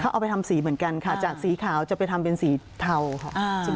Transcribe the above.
เอาไปทำสีเหมือนกันค่ะจากสีขาวจะไปทำเป็นสีเทาค่ะ